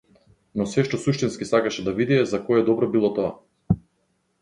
Но сѐ што суштински сакаше да види е за кое добро било тоа.